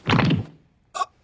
あっ！